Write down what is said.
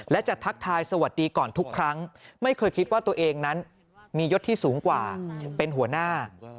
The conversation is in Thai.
และจะทักทายสวัสดีก่อนทุกครั้งไม่เคยคิดว่าตัวเองนั้นมียศที่สูงกว่าเป็นหัวหน้า